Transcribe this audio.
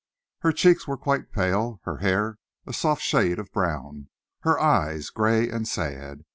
Her cheeks were quite pale, her hair of a soft shade of brown, her eyes grey and sad.